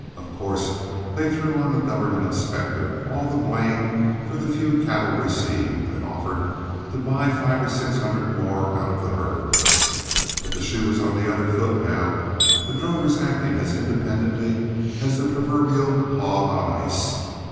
Of course they threw on the government inspector all the blame for the few cattle received, and offered to buy five or six hundred more out of the herd. But the shoe was on the other foot now, the drovers acting as independently as the proverbial hog on ice.